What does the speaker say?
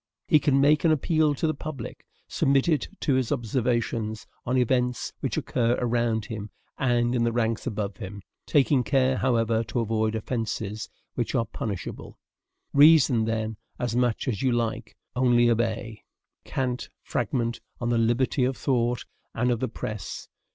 He can make an appeal to the public, submit to it his observations on events which occur around him and in the ranks above him, taking care, however, to avoid offences which are punishable. "Reason, then, as much as you like; only, obey." Kant: Fragment on the Liberty of Thought and of the Press.